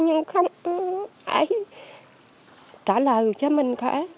nhưng không trả lời cho mình cả